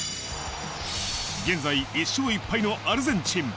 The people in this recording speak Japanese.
現在、１勝１敗のアルゼンチン。